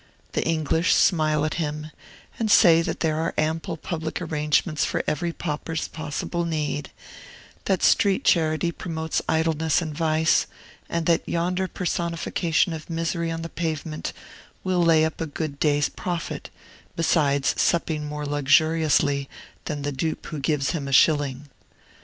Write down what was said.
The English smile at him, and say that there are ample public arrangements for every pauper's possible need, that street charity promotes idleness and vice, and that yonder personification of misery on the pavement will lay up a good day's profit, besides supping more luxuriously than the dupe who gives him a shilling.